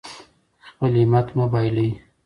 خپل همت مه بایلئ.